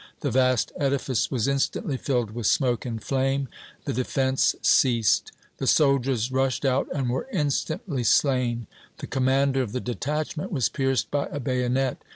The vast edifice was instantly filled with smoke and flame. The defence ceased. The soldiers rushed out and were instantly slain. The commander of the detachment was pierced by a bayonet.